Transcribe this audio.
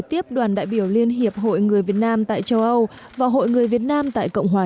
tiếp đoàn đại biểu liên hiệp hội người việt nam tại châu âu và hội người việt nam tại cộng hòa